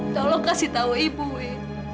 tolong kasih tahu ibu